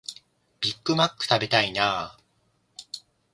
ビッグマック食べたいなあ